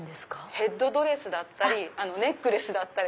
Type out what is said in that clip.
ヘッドドレスだったりネックレスだったり。